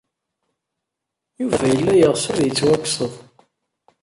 Yuba yella yeɣs ad yettwakseḍ.